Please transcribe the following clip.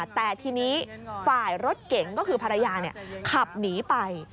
แต่ทีนี้ฝ่ายรถเก๋งก็คือภรรยาขับหนีไป